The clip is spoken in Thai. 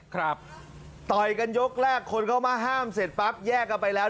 ต่อยกันยกแรกคนเข้ามาห้ามเสร็จปั๊บแยกกันไปแล้ว